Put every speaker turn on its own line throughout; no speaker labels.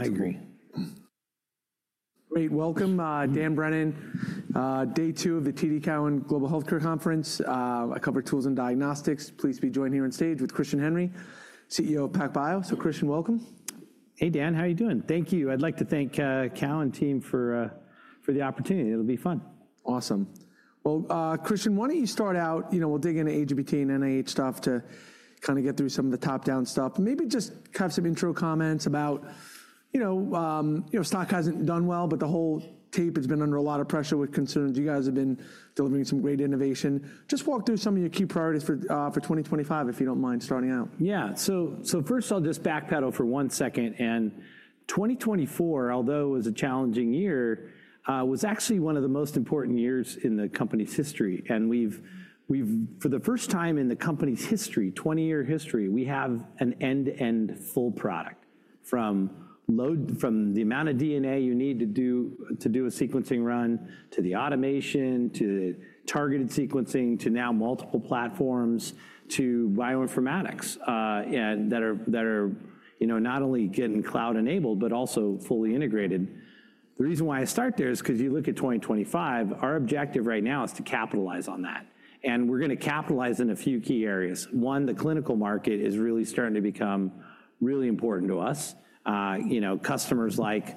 Yeah, I agree.
Great. Welcome, Dan Brennan. Day two of the TD Cowen Global Healthcare Conference. I cover tools and diagnostics. Please be joined here on stage with Christian Henry, CEO of PacBio. Christian, welcome.
Hey, Dan, how are you doing? Thank you. I'd like to thank Cowen team for the opportunity. It'll be fun.
Awesome. Christian, why don't you start out? You know, we'll dig into AGBT and NIH stuff to kind of get through some of the top-down stuff. Maybe just have some intro comments about, you know, your stock hasn't done well, but the whole tape has been under a lot of pressure with concerns. You guys have been delivering some great innovation. Just walk through some of your key priorities for 2025, if you don't mind starting out.
Yeah. First, I'll just backpedal for one second. In 2024, although it was a challenging year, it was actually one of the most important years in the company's history. We've, for the first time in the company's 20-year history, an end-to-end full product from the amount of DNA you need to do a sequencing run, to the automation, to the targeted sequencing, to now multiple platforms, to bioinformatics that are not only getting cloud-enabled, but also fully integrated. The reason why I start there is because you look at 2025, our objective right now is to capitalize on that. We're going to capitalize in a few key areas. One, the clinical market is really starting to become really important to us. Customers like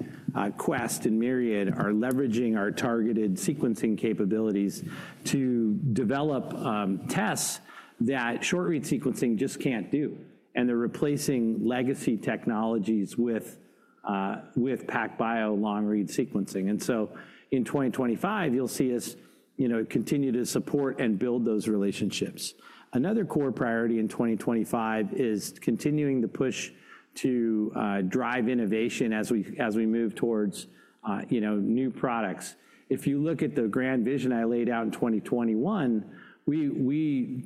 Quest and Myriad are leveraging our targeted sequencing capabilities to develop tests that short-read sequencing just can't do. They're replacing legacy technologies with PacBio long-read sequencing. In 2025, you'll see us continue to support and build those relationships. Another core priority in 2025 is continuing the push to drive innovation as we move towards new products. If you look at the grand vision I laid out in 2021, we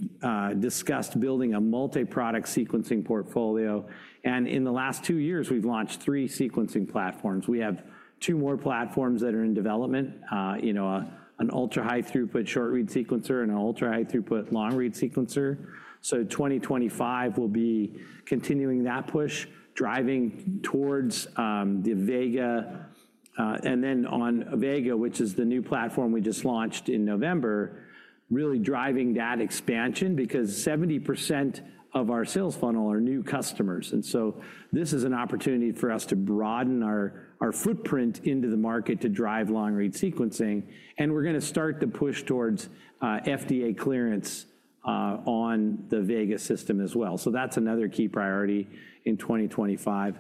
discussed building a multi-product sequencing portfolio. In the last two years, we've launched three sequencing platforms. We have two more platforms that are in development, an ultra-high-throughput short-read sequencer and an ultra-high-throughput long-read sequencer. In 2025, we will be continuing that push, driving towards the Vega. On Vega, which is the new platform we just launched in November, really driving that expansion because 70% of our sales funnel are new customers. This is an opportunity for us to broaden our footprint into the market to drive long-read sequencing. We're going to start the push towards FDA clearance on the Vega system as well. That is another key priority in 2025.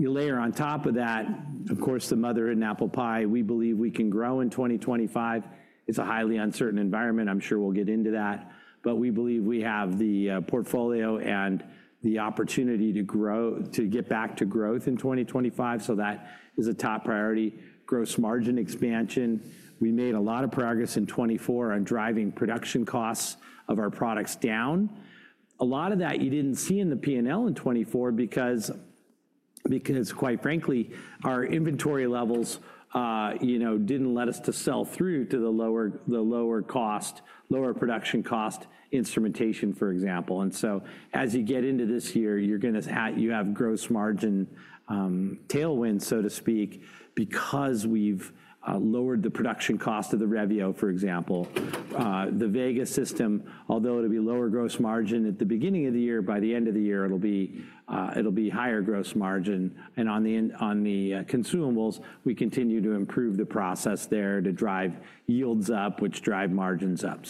You layer on top of that, of course, the mother and apple pie. We believe we can grow in 2025. It's a highly uncertain environment. I'm sure we'll get into that. We believe we have the portfolio and the opportunity to get back to growth in 2025. That is a top priority: gross margin expansion. We made a lot of progress in 2024 on driving production costs of our products down. A lot of that you didn't see in the P&L in 2024 because, quite frankly, our inventory levels didn't let us sell through to the lower production cost instrumentation, for example. As you get into this year, you have gross margin tailwinds, so to speak, because we've lowered the production cost of the Revio, for example. The Vega system, although it'll be lower gross margin at the beginning of the year, by the end of the year, it'll be higher gross margin. On the consumables, we continue to improve the process there to drive yields up, which drive margins up.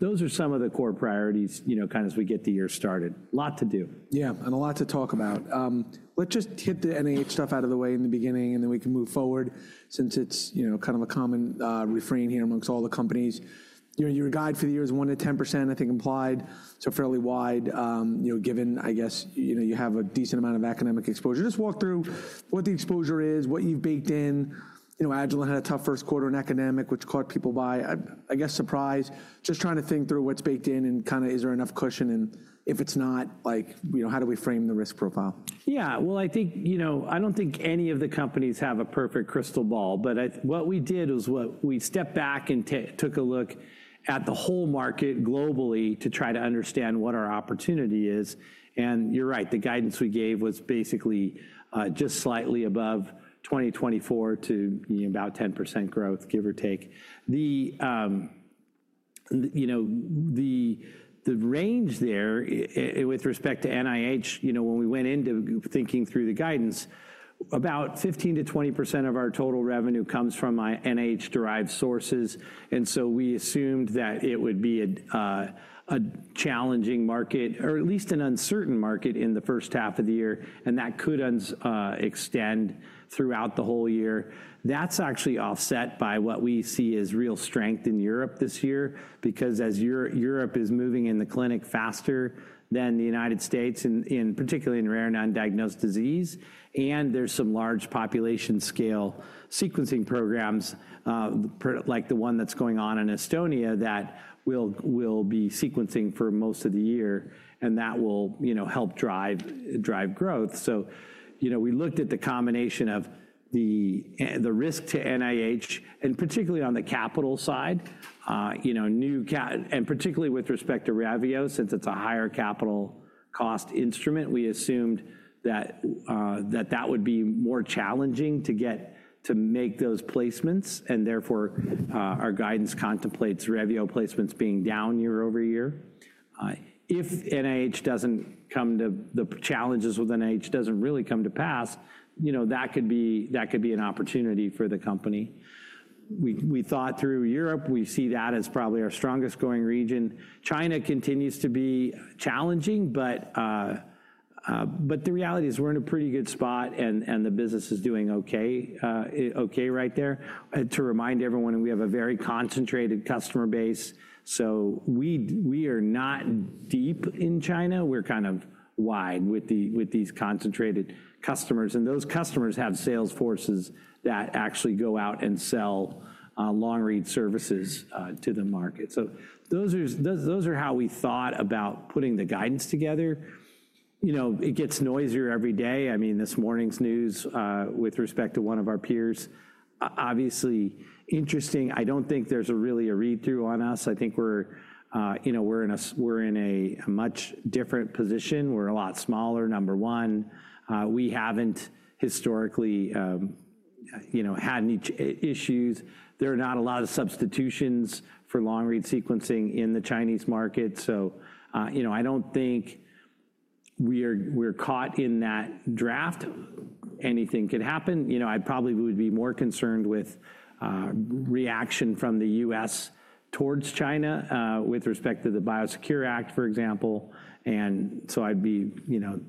Those are some of the core priorities kind of as we get the year started. Lot to do.
Yeah, and a lot to talk about. Let's just hit the NIH stuff out of the way in the beginning, and then we can move forward since it's kind of a common refrain here amongst all the companies. Your guide for the year is 1-10%, I think, implied. So, fairly wide, given, I guess, you have a decent amount of academic exposure. Just walk through what the exposure is, what you've baked in. Agilent had a tough first quarter in academic, which caught people by, I guess, surprise. Just trying to think through what's baked in and kind of is there enough cushion? And if it's not, how do we frame the risk profile?
Yeah, I think I don't think any of the companies have a perfect crystal ball, but what we did was we stepped back and took a look at the whole market globally to try to understand what our opportunity is. You're right, the guidance we gave was basically just slightly above 2024 to about 10% growth, give or take. The range there with respect to NIH, when we went into thinking through the guidance, about 15%-20% of our total revenue comes from NIH-derived sources. We assumed that it would be a challenging market, or at least an uncertain market in the first half of the year, and that could extend throughout the whole year. That's actually offset by what we see as real strength in Europe this year because as Europe is moving in the clinic faster than the United States, particularly in rare and undiagnosed disease, and there's some large population-scale sequencing programs like the one that's going on in Estonia that we'll be sequencing for most of the year, and that will help drive growth. We looked at the combination of the risk to NIH, and particularly on the capital side, and particularly with respect to Revio, since it's a higher capital cost instrument, we assumed that that would be more challenging to make those placements. Therefore, our guidance contemplates Revio placements being down year over year. If NIH doesn't come to the challenges with NIH doesn't really come to pass, that could be an opportunity for the company. We thought through Europe. We see that as probably our strongest going region. China continues to be challenging, but the reality is we're in a pretty good spot and the business is doing okay right there. To remind everyone, we have a very concentrated customer base. We are not deep in China. We're kind of wide with these concentrated customers. Those customers have sales forces that actually go out and sell long-read services to the market. Those are how we thought about putting the guidance together. It gets noisier every day. I mean, this morning's news with respect to one of our peers, obviously interesting. I don't think there's really a read-through on us. I think we're in a much different position. We're a lot smaller, number one. We haven't historically had any issues. There are not a lot of substitutions for long-read sequencing in the Chinese market. I don't think we're caught in that draft. Anything could happen. I probably would be more concerned with reaction from the U.S. towards China with respect to the Biosecure Act, for example. I'd be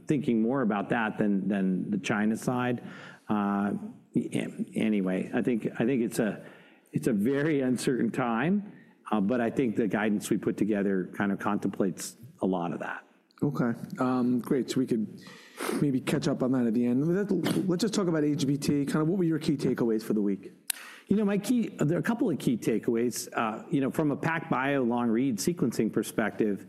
thinking more about that than the China side. Anyway, I think it's a very uncertain time, but I think the guidance we put together kind of contemplates a lot of that.
Okay. Great. We could maybe catch up on that at the end. Let's just talk about AGBT. Kind of what were your key takeaways for the week?
There are a couple of key takeaways. From a PacBio long-read sequencing perspective,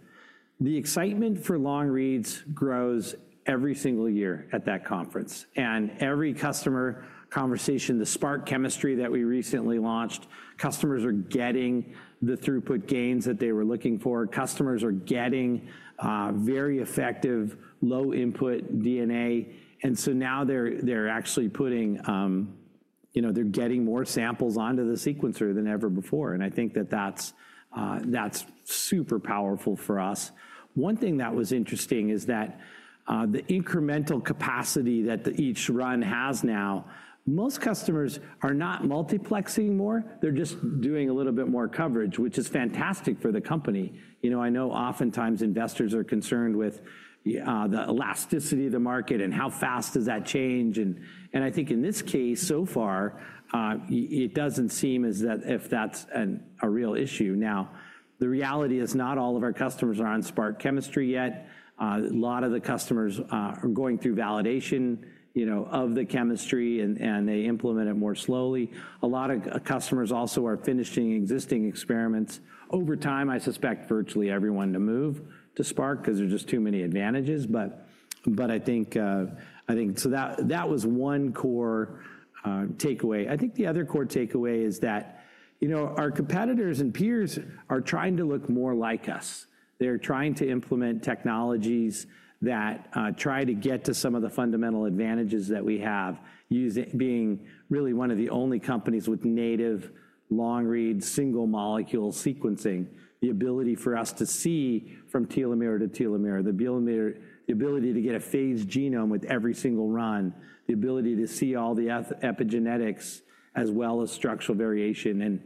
the excitement for long-reads grows every single year at that conference. In every customer conversation, the Spark Chemistry that we recently launched, customers are getting the throughput gains that they were looking for. Customers are getting very effective low-input DNA. Now they're actually putting, they're getting more samples onto the sequencer than ever before. I think that that's super powerful for us. One thing that was interesting is that the incremental capacity that each run has now, most customers are not multiplexing more. They're just doing a little bit more coverage, which is fantastic for the company. I know oftentimes investors are concerned with the elasticity of the market and how fast does that change. I think in this case, so far, it doesn't seem as if that's a real issue. Now, the reality is not all of our customers are on Spark Chemistry yet. A lot of the customers are going through validation of the chemistry, and they implement it more slowly. A lot of customers also are finishing existing experiments. Over time, I suspect virtually everyone to move to Spark because there's just too many advantages. I think that was one core takeaway. I think the other core takeaway is that our competitors and peers are trying to look more like us. They're trying to implement technologies that try to get to some of the fundamental advantages that we have, being really one of the only companies with native long read single-molecule sequencing, the ability for us to see from telomere to telomere, the ability to get a phase genome with every single run, the ability to see all the epigenetics as well as structural variation.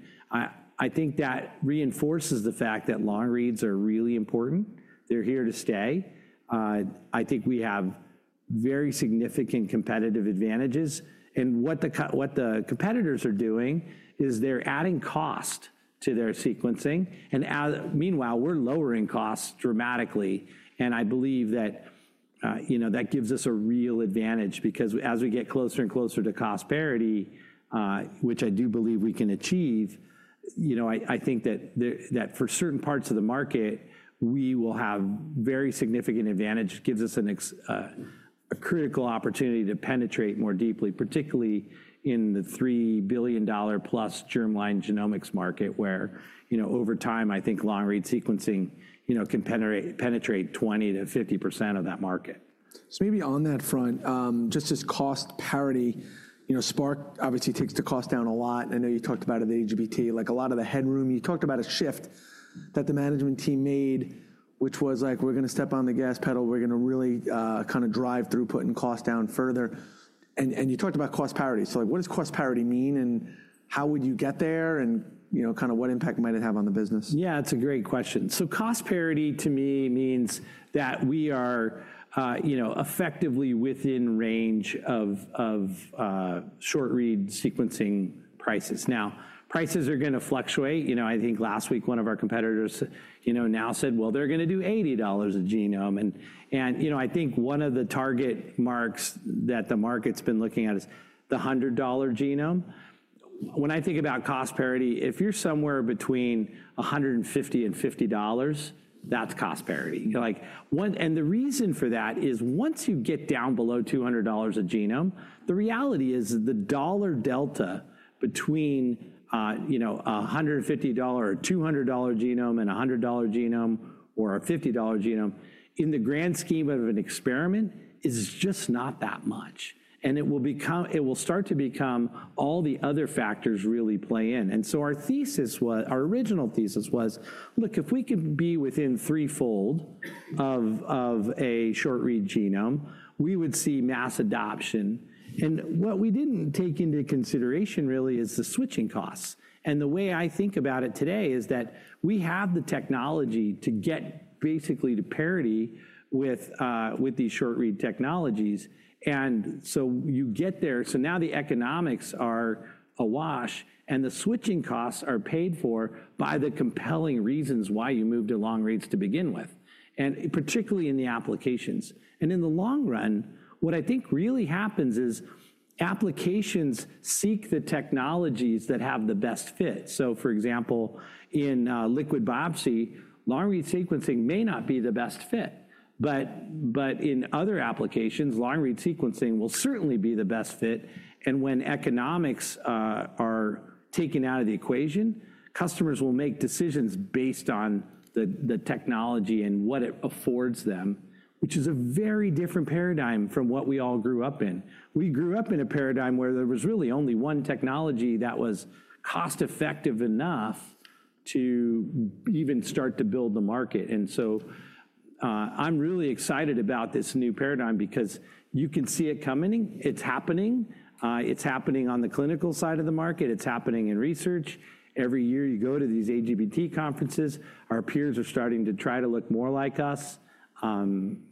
I think that reinforces the fact that long-reads are really important. They're here to stay. I think we have very significant competitive advantages. What the competitors are doing is they're adding cost to their sequencing. Meanwhile, we're lowering costs dramatically. I believe that that gives us a real advantage because as we get closer and closer to cost parity, which I do believe we can achieve, I think that for certain parts of the market, we will have very significant advantage. It gives us a critical opportunity to penetrate more deeply, particularly in the $3 billion-plus germline genomics market, where over time, I think long-read sequencing can penetrate 20%-50% of that market.
Maybe on that front, just as cost parity, Spark obviously takes the cost down a lot. I know you talked about it at AGBT. A lot of the headroom, you talked about a shift that the management team made, which was like, "We're going to step on the gas pedal. We're going to really kind of drive throughput and cost down further." You talked about cost parity. What does cost parity mean and how would you get there and kind of what impact might it have on the business?
Yeah, that's a great question. Cost parity to me means that we are effectively within range of short-read sequencing prices. Now, prices are going to fluctuate. I think last week, one of our competitors now said, "Well, they're going to do $80 a genome." I think one of the target marks that the market's been looking at is the $100 genome. When I think about cost parity, if you're somewhere between $150 and $50, that's cost parity. The reason for that is once you get down below $200 a genome, the reality is the dollar delta between a $150 or $200 genome and a $100 genome or a $50 genome in the grand scheme of an experiment is just not that much. It will start to become all the other factors really play in. Our thesis, our original thesis was, "Look, if we could be within threefold of a short-read genome, we would see mass adoption." What we did not take into consideration really is the switching costs. The way I think about it today is that we have the technology to get basically to parity with these short-read technologies. You get there. Now the economics are awash, and the switching costs are paid for by the compelling reasons why you moved to long-reads to begin with, particularly in the applications. In the long run, what I think really happens is applications seek the technologies that have the best fit. For example, in liquid biopsy, long-read sequencing may not be the best fit, but in other applications, long-read sequencing will certainly be the best fit. When economics are taken out of the equation, customers will make decisions based on the technology and what it affords them, which is a very different paradigm from what we all grew up in. We grew up in a paradigm where there was really only one technology that was cost-effective enough to even start to build the market. I am really excited about this new paradigm because you can see it coming. It is happening. It is happening on the clinical side of the market. It is happening in research. Every year you go to these AGBT conferences, our peers are starting to try to look more like us,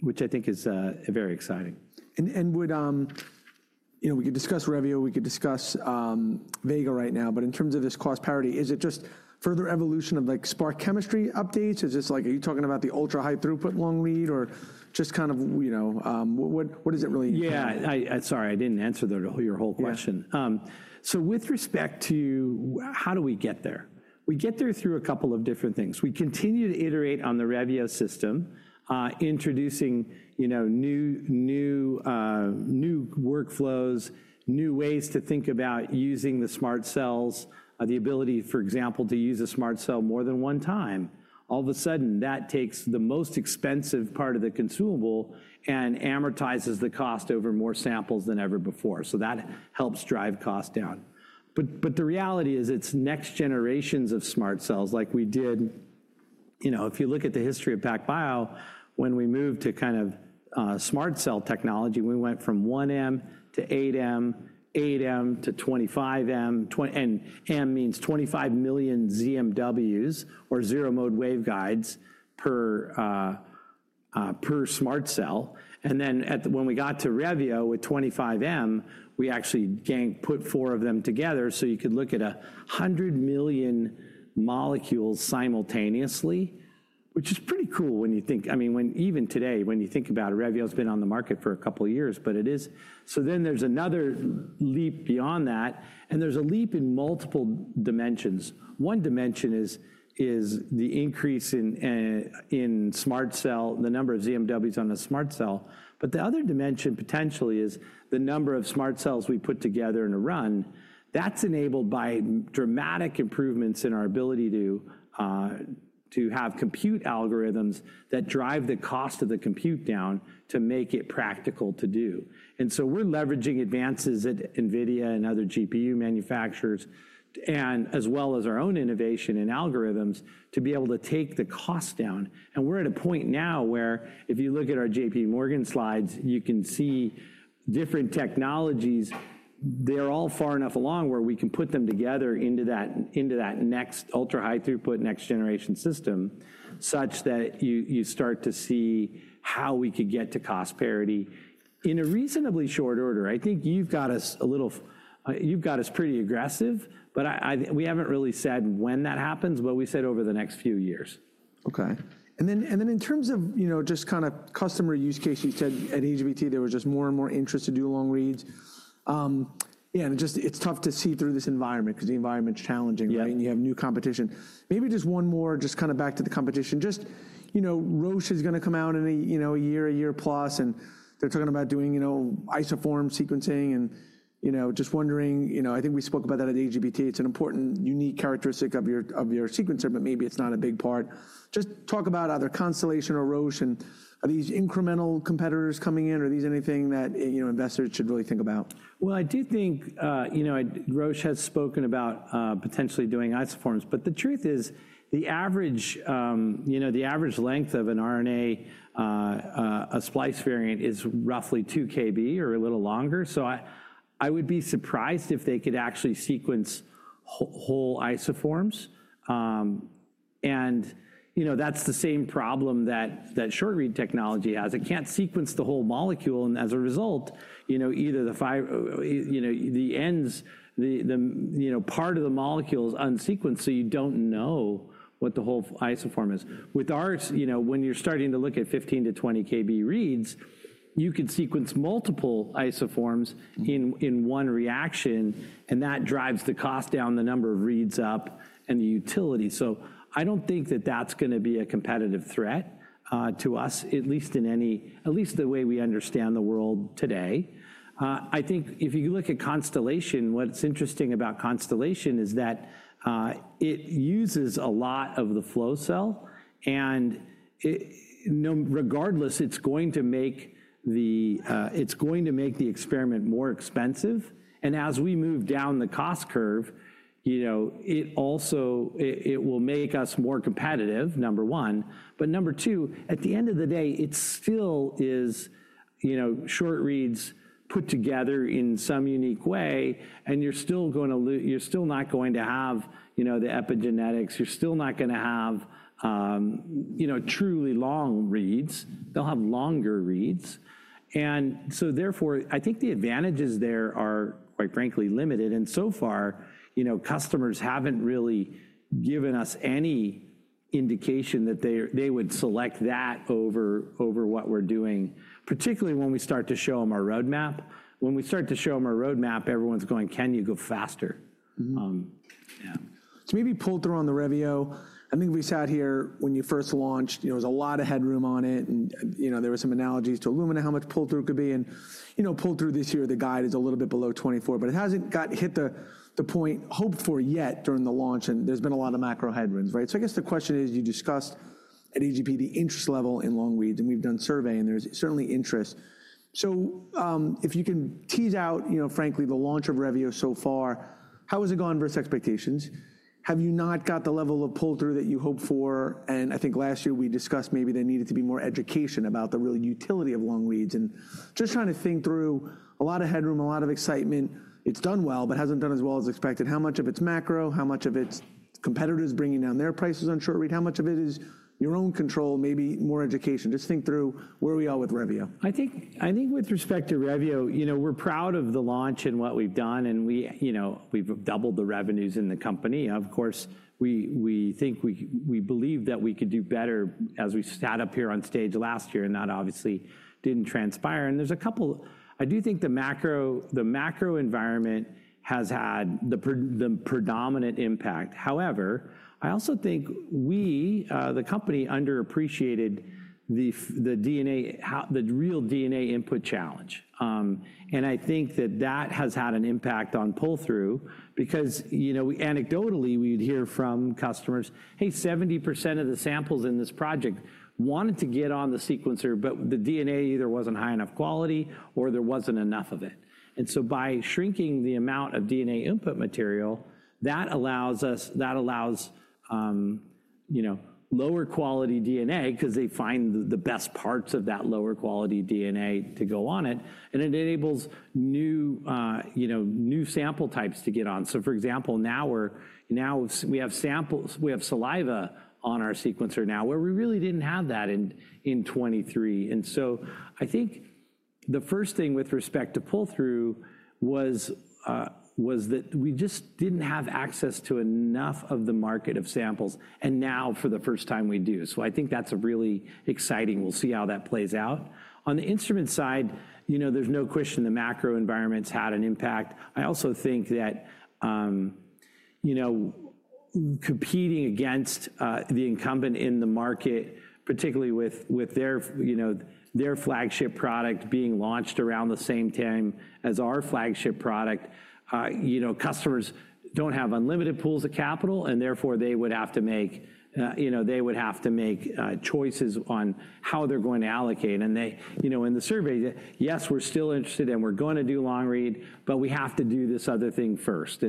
which I think is very exciting.
We could discuss Revio. We could discuss Vega right now. In terms of this cost parity, is it just further evolution of Spark Chemistry updates? Are you talking about the ultra-high throughput long-read or just kind of what is it really?
Yeah. Sorry, I didn't answer your whole question. With respect to how do we get there? We get there through a couple of different things. We continue to iterate on the Revio system, introducing new workflows, new ways to think about using the SMRT Cells, the ability, for example, to use a SMRT Cell more than one time. All of a sudden, that takes the most expensive part of the consumable and amortizes the cost over more samples than ever before. That helps drive cost down. The reality is it's next generations of SMRT Cells like we did. If you look at the history of PacBio, when we moved to kind of SMRT Cell technology, we went from 1M to 8M, 8M to 25M. M means 25 million ZMWs or zero-mode waveguides per SMRT Cell. Then when we got to Revio with 25 million, we actually put four of them together. You could look at 100 million molecules simultaneously, which is pretty cool when you think, I mean, even today, when you think about it, Revio has been on the market for a couple of years, but it is. There is another leap beyond that, and there is a leap in multiple dimensions. One dimension is the increase in smart cell, the number of ZMWs on a smart cell. The other dimension potentially is the number of smart cells we put together in a run. That is enabled by dramatic improvements in our ability to have compute algorithms that drive the cost of the compute down to make it practical to do. We're leveraging advances at NVIDIA and other GPU manufacturers, as well as our own innovation in algorithms to be able to take the cost down. We're at a point now where if you look at our JPMorgan slides, you can see different technologies. They're all far enough along where we can put them together into that next ultra-high throughput next generation system such that you start to see how we could get to cost parity in a reasonably short order. I think you've got us a little, you've got us pretty aggressive, but we haven't really said when that happens, but we said over the next few years.
Okay. In terms of just kind of customer use case, you said at AGBT there was just more and more interest to do long-reads. Yeah, and it's tough to see through this environment because the environment's challenging. You have new competition. Maybe just one more, just kind of back to the competition. Roche is going to come out in a year, a year plus, and they're talking about doing isoform sequencing. Just wondering, I think we spoke about that at AGBT. It's an important unique characteristic of your sequencer, but maybe it's not a big part. Just talk about either Constellation or Roche and these incremental competitors coming in. Are these anything that investors should really think about?
I do think Roche has spoken about potentially doing isoforms, but the truth is the average length of an RNA, a splice variant, is roughly 2 kB or a little longer. I would be surprised if they could actually sequence whole isoforms. That is the same problem that short-read technology has. It cannot sequence the whole molecule. As a result, either the ends, the part of the molecule is unsequenced, so you do not know what the whole isoform is. With ours, when you are starting to look at 15-20 kB reads, you could sequence multiple isoforms in one reaction, and that drives the cost down, the number of reads up, and the utility. I do not think that is going to be a competitive threat to us, at least in the way we understand the world today. I think if you look at Constellation, what's interesting about Constellation is that it uses a lot of the flow cell. Regardless, it's going to make the experiment more expensive. As we move down the cost curve, it will make us more competitive, number one. Number two, at the end of the day, it still is short-reads put together in some unique way, and you're still not going to have the epigenetics. You're still not going to have truly long reads. They'll have longer reads. Therefore, I think the advantages there are quite frankly limited. So far, customers haven't really given us any indication that they would select that over what we're doing, particularly when we start to show them our roadmap. When we start to show them our roadmap, everyone's going, "Can you go faster?" Yeah.
Maybe Pull Through on the Revio. I think we sat here when you first launched, there was a lot of headroom on it, and there were some analogies to Illumina how much Pull Through could be. Pull Through this year, the guide is a little bit below 24, but it hasn't hit the point hoped for yet during the launch, and there's been a lot of macro headwinds. I guess the question is, you discussed at AGBT the interest level in long-reads, and we've done surveying, and there's certainly interest. If you can tease out, frankly, the launch of Revio so far, how has it gone versus expectations? Have you not got the level of Pull Through that you hoped for? I think last year we discussed maybe there needed to be more education about the real utility of long-reads. Just trying to think through a lot of headroom, a lot of excitement. It's done well, but hasn't done as well as expected. How much of it's macro? How much of it's competitors bringing down their prices on short-read? How much of it is your own control, maybe more education? Just think through where we are with Revio.
I think with respect to Revio, we're proud of the launch and what we've done, and we've doubled the revenues in the company. Of course, we think we believe that we could do better as we sat up here on stage last year and that obviously didn't transpire. There's a couple, I do think the macro environment has had the predominant impact. However, I also think we, the company, underappreciated the real DNA input challenge. I think that that has had an impact on Pull Through because anecdotally, we'd hear from customers, "Hey, 70% of the samples in this project wanted to get on the sequencer, but the DNA either wasn't high enough quality or there wasn't enough of it." By shrinking the amount of DNA input material, that allows lower quality DNA because they find the best parts of that lower quality DNA to go on it. It enables new sample types to get on. For example, now we have saliva on our sequencer now where we really didn't have that in 2023. I think the first thing with respect to Pull Through was that we just didn't have access to enough of the market of samples, and now for the first time we do. I think that's really exciting. We'll see how that plays out. On the instrument side, there's no question the macro environments had an impact. I also think that competing against the incumbent in the market, particularly with their flagship product being launched around the same time as our flagship product, customers don't have unlimited pools of capital, and therefore they would have to make choices on how they're going to allocate. In the survey, yes, we're still interested and we're going to do long-read, but we have to do this other thing first.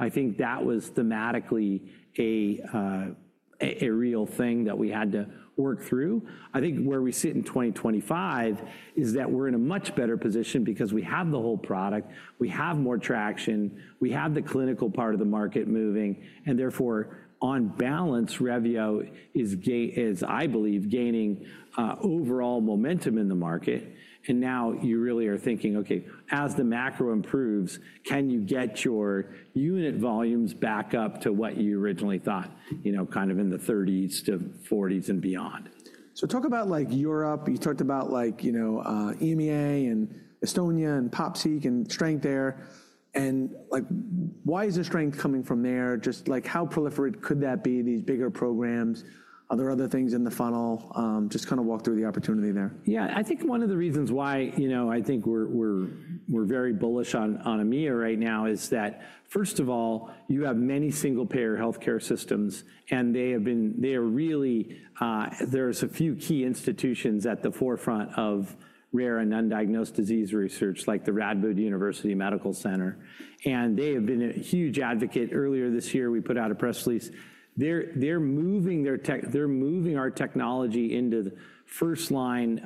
I think that was thematically a real thing that we had to work through. I think where we sit in 2025 is that we're in a much better position because we have the whole product, we have more traction, we have the clinical part of the market moving, and therefore on balance, Revio is, I believe, gaining overall momentum in the market. You really are thinking, "Okay, as the macro improves, can you get your unit volumes back up to what you originally thought, kind of in the 30s-40s and beyond?
Talk about Europe. You talked about EMEA and Estonia and POPSEEK and strength there. Why is the strength coming from there? Just how proliferate could that be, these bigger programs? Are there other things in the funnel? Just kind of walk through the opportunity there.
Yeah. I think one of the reasons why I think we're very bullish on EMEA right now is that, first of all, you have many single-payer healthcare systems, and they are really, there's a few key institutions at the forefront of rare and undiagnosed disease research like the Radboud University Medical Center. They have been a huge advocate. Earlier this year, we put out a press release. They're moving our technology into first-line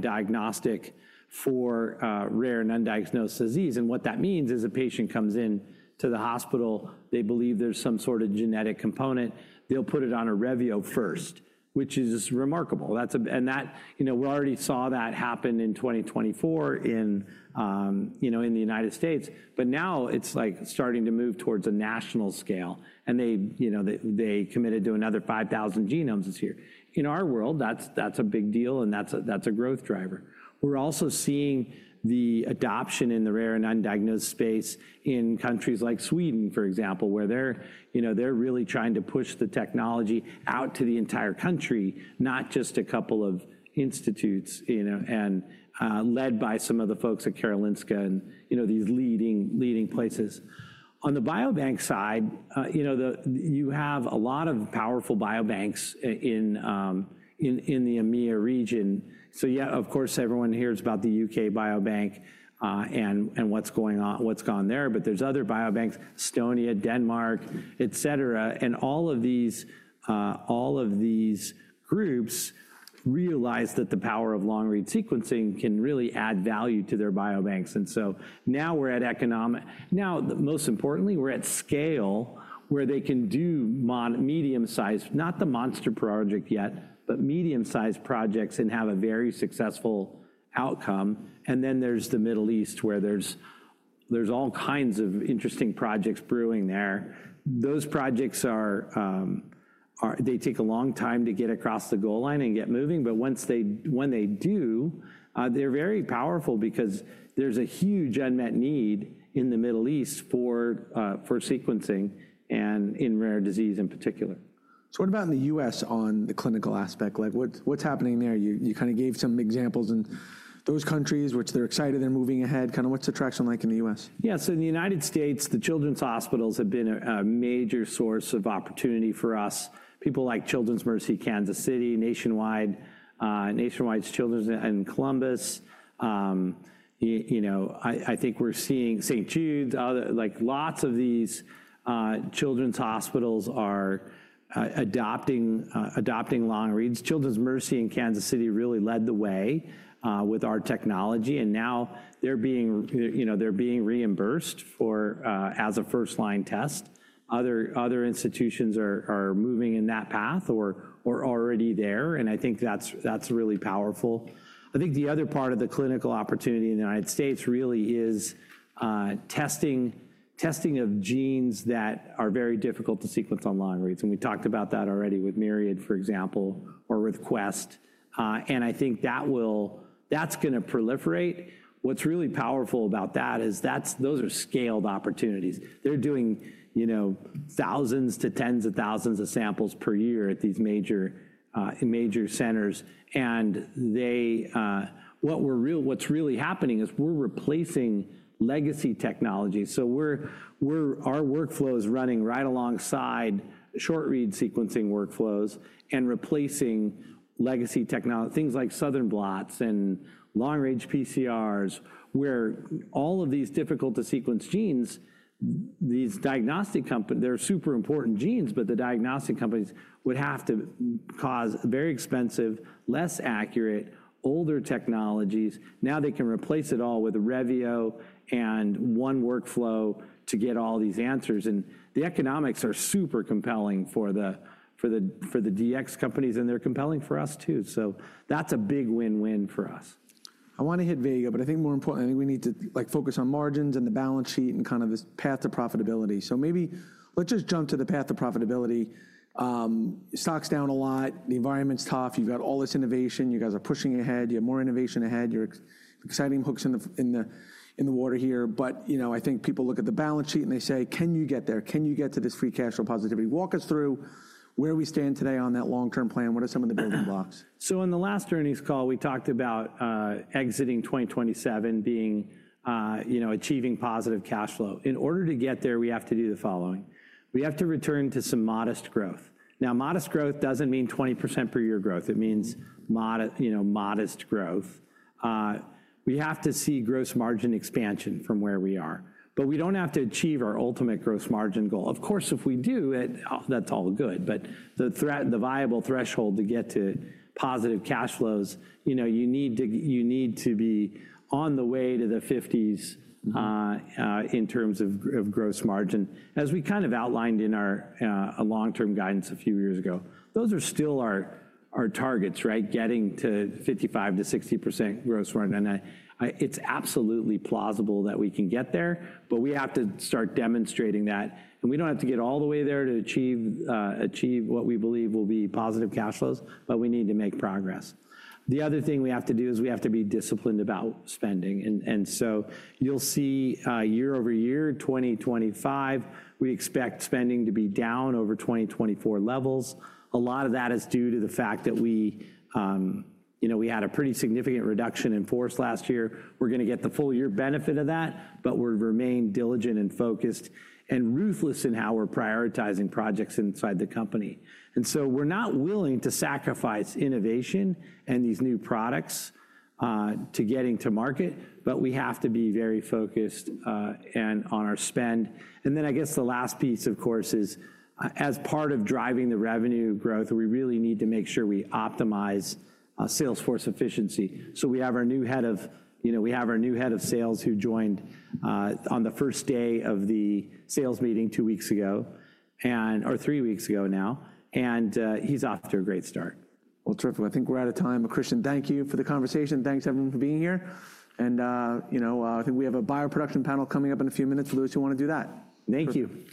diagnostic for rare and undiagnosed disease. What that means is a patient comes into the hospital, they believe there's some sort of genetic component, they'll put it on a Revio first, which is remarkable. We already saw that happen in 2024 in the United States. Now it's starting to move towards a national scale, and they committed to another 5,000 genomes this year. In our world, that's a big deal and that's a growth driver. We're also seeing the adoption in the rare and undiagnosed space in countries like Sweden, for example, where they're really trying to push the technology out to the entire country, not just a couple of institutes and led by some of the folks at Karolinska and these leading places. On the biobank side, you have a lot of powerful biobanks in the EMEA region. Yeah, of course, everyone hears about the U.K. biobank and what's gone there, but there's other biobanks, Estonia, Denmark, etc. All of these groups realize that the power of long-read sequencing can really add value to their biobanks. Now we're at economic. Now, most importantly, we're at scale where they can do medium-sized, not the monster project yet, but medium-sized projects and have a very successful outcome. There is the Middle East where there are all kinds of interesting projects brewing. Those projects take a long time to get across the goal line and get moving, but once they do, they are very powerful because there is a huge unmet need in the Middle East for sequencing and in rare disease in particular.
What about in the U.S. on the clinical aspect? What's happening there? You kind of gave some examples in those countries which they're excited they're moving ahead. Kind of what's the traction like in the U.S.?
Yeah. In the United States, the children's hospitals have been a major source of opportunity for us. People like Children's Mercy, Kansas City, Nationwide, Nationwide Children's in Columbus. I think we're seeing St. Jude, lots of these children's hospitals are adopting long-reads. Children's Mercy in Kansas City really led the way with our technology, and now they're being reimbursed as a first-line test. Other institutions are moving in that path or already there, and I think that's really powerful. I think the other part of the clinical opportunity in the United States really is testing of genes that are very difficult to sequence on long-reads. We talked about that already with Myriad, for example, or with Quest. I think that's going to proliferate. What's really powerful about that is those are scaled opportunities. They're doing thousands to tens of thousands of samples per year at these major centers. What's really happening is we're replacing legacy technologies. Our workflow is running right alongside short-read sequencing workflows and replacing legacy technology, things like Southern blots and long-range PCRs, where all of these difficult-to-sequence genes, these diagnostic companies, they're super important genes, but the diagnostic companies would have to cause very expensive, less accurate, older technologies. Now they can replace it all with Revio and one workflow to get all these answers. The economics are super compelling for the DX companies, and they're compelling for us too. That's a big win-win for us.
I want to hit Vega, but I think more importantly, I think we need to focus on margins and the balance sheet and kind of this path to profitability. Maybe let's just jump to the path to profitability. Stock's down a lot. The environment's tough. You've got all this innovation. You guys are pushing ahead. You have more innovation ahead. You're exciting hooks in the water here. I think people look at the balance sheet and they say, "Can you get there? Can you get to this free cash flow positivity?" Walk us through where we stand today on that long-term plan. What are some of the building blocks?
So in the last earnings call, we talked about exiting 2027, achieving positive cash flow. In order to get there, we have to do the following. We have to return to some modest growth. Now, modest growth doesn't mean 20% per year growth. It means modest growth. We have to see gross margin expansion from where we are. We don't have to achieve our ultimate gross margin goal. Of course, if we do, that's all good. The viable threshold to get to positive cash flows, you need to be on the way to the 50s in terms of gross margin. As we kind of outlined in our long-term guidance a few years ago, those are still our targets, getting to 55-60% gross margin. It's absolutely plausible that we can get there, but we have to start demonstrating that. We do not have to get all the way there to achieve what we believe will be positive cash flows, but we need to make progress. The other thing we have to do is we have to be disciplined about spending. You will see year over year, 2025, we expect spending to be down over 2024 levels. A lot of that is due to the fact that we had a pretty significant reduction in force last year. We are going to get the full year benefit of that, but we are remaining diligent and focused and ruthless in how we are prioritizing projects inside the company. We are not willing to sacrifice innovation and these new products to getting to market, but we have to be very focused on our spend. The last piece, of course, is as part of driving the revenue growth, we really need to make sure we optimize Salesforce efficiency. We have our new Head of Sales who joined on the first day of the sales meeting two weeks ago or three weeks ago now, and he's off to a great start.
Terrific. I think we're out of time. Christian, thank you for the conversation. Thanks, everyone, for being here. I think we have a bio production panel coming up in a few minutes. Louis, you want to do that?
Thank you. Thank you.